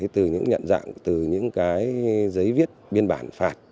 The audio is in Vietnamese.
từ những nhận dạng từ những cái giấy viết biên bản phạt